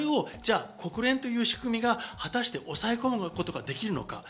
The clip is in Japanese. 国連という仕組みが果たして抑え込むことができるのか。